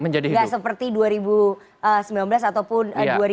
tidak seperti dua ribu sembilan belas ataupun dua ribu sembilan belas